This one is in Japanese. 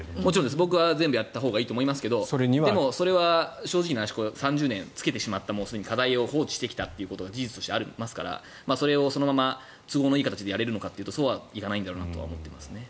僕は全部やったほうがいいと思いますけどそれは正直な話３０年つけてしまった課題を放置してきたことがすでにありますから都合のいい形でやれるのかというとそうはいかないんだろうと思っています。